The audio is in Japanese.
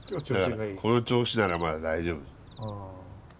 この調子ならまだ大丈夫。